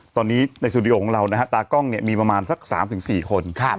ตอนนี้ในสูดิโอของเรานะฮะตากล้องเนี่ยมีประมาณสักสามถึงสี่คนครับ